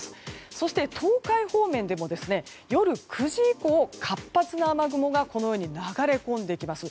そして東海方面でも夜９時以降、活発な雨雲がこのように流れ込んできます。